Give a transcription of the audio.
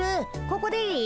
ここでいい？